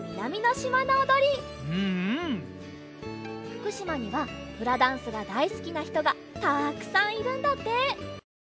ふくしまにはフラダンスがだいすきなひとがたくさんいるんだって。